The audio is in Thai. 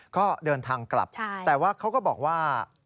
ก็เดินทางกลับแต่ว่าเขาก็บอกว่า